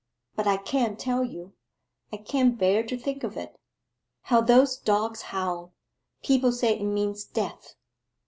But I can't tell you. I can't bear to think of it. How those dogs howl! People say it means death.